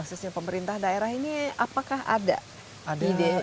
khususnya pemerintah daerah ini apakah ada ide